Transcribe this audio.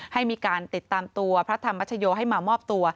ให้มีการติดตามตัวพระธรรมชโยให้มามอบตัว